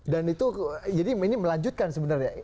dan itu jadi ini melanjutkan sebenarnya